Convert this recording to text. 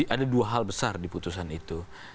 ada dua hal besar di putusan itu